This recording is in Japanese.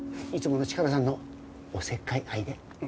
いつものチカラさんのおせっかい愛で。